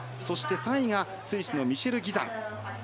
そして、３位がスイスのミシェル・ギザン。